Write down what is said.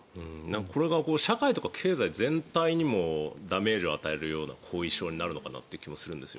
これが社会とか経済全体にもダメージを与えるような後遺症になるのかなという気がするんです。